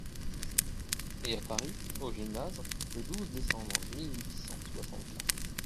Et à Paris, au Gymnase , le douze décembre mille huit cent soixante-quatre.